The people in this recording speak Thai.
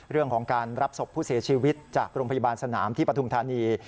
เรื่องของการรับศพผู้เสียชีวิตจากโรงพยาบาลสนามที่ปฐุมธานี